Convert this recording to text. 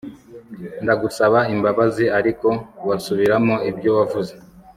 Ndagusaba imbabazi ariko wasubiramo ibyo wavuze